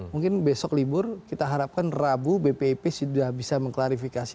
mungkin besok libur kita harapkan rabu bpip sudah bisa mengklarifikasi